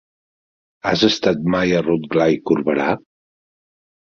Has estat mai a Rotglà i Corberà?